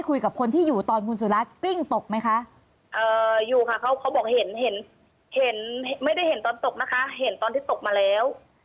ตอนที่ตกมาแล้ว